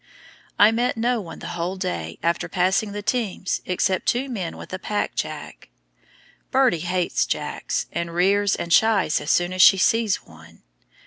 I met no one the whole day after passing the teams except two men with a "pack jack," Birdie hates jacks, and rears and shies as soon as she sees one.